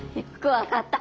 わかった？